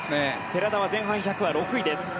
寺田は前半１００は６位です。